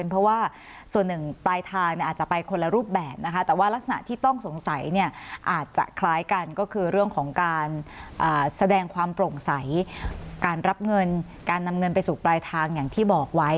สนับสนุนโตใหม่รสแกงกะหรี่ญี่ปุ่นก็อร่อยนะครับ